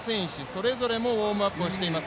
それぞれもウォームアップをしています。